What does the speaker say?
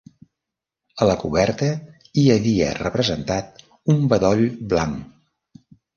A la coberta hi havia representat un bedoll blanc.